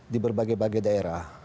di berbagai bagai daerah